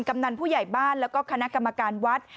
กำนันท์ผู้ใหญ่บ้านและคณะกำการวัด